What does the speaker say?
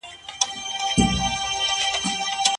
کله چي واښه اور ته نږدې سي سوځي.